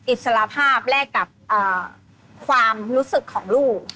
อิสระภาพแลกกับความรู้สึกของลูก